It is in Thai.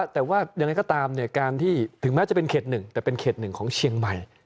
แต่ว่ายังไงก็ตามการที่ถึงแม้จะเป็นเขต๑แต่เป็นเขตหนึ่งของเชียงใหม่